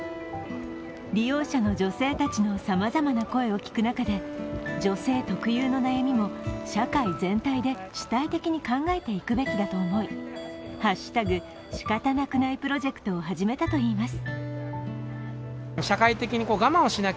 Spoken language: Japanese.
利用者の女性たちのさまざまな声を聞く中で女性特有の悩みも社会全体で主体的に考えていくべきだと思い、「＃しかたなくない」プロジェクトを始めたといいます。